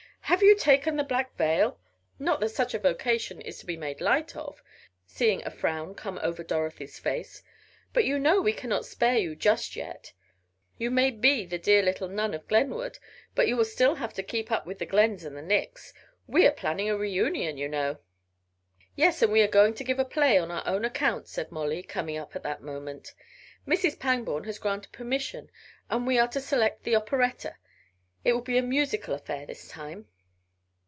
"Have you taken the black veil? Not that such a vocation is to be made light of," seeing a frown come over Dorothy's face, "but you know we cannot spare you just yet. You may be the dear little nun of Glenwood, but you will have to keep up with the Glens and the Nicks. We are planning a reunion, you know." "Yes, and we are going to give a play on our own account," said Molly, coming up at that moment. "Mrs. Pangborn has granted permission and we are about to select the operetta it will be a musical affair this time."